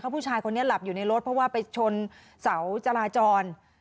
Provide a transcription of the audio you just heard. ผู้ชายคนนี้หลับอยู่ในรถเพราะว่าไปชนเสาจราจร